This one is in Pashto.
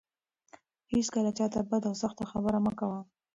هيڅکله چا ته بده او سخته خبره مه کوه.